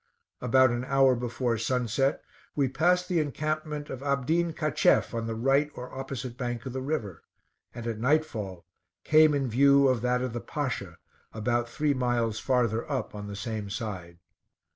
About an hour before sunset, we passed the encampment of Abdin Cacheff, on the right or opposite bank of the river; and at night fall came in view of that of the Pasha about three miles farther up on the same side.